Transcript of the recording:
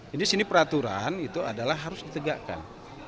jadi sini peraturan itu adalah harus ditegakkan